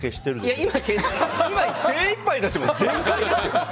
今精いっぱい出してます。